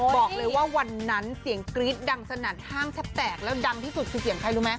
บอกเลยว่าวันนั้นเสียงกรี๊ดดังสนั่นห้างแทบแตกแล้วดังที่สุดคือเสียงใครรู้ไหม